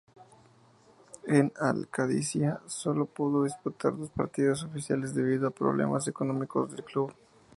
En Al-Qadisiya sólo pudo disputar dos partidos oficiales debido a problemas económicos del club.